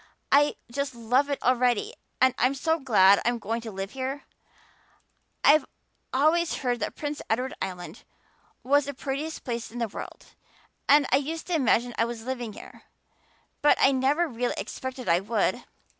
I just love it already, and I'm so glad I'm going to live here. I've always heard that Prince Edward Island was the prettiest place in the world, and I used to imagine I was living here, but I never really expected I would.